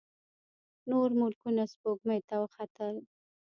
نور ملکونه سپوږمۍ ته وختل.